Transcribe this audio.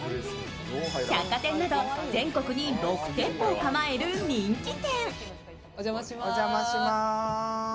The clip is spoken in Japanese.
百貨店など全国に６店舗を構える人気店。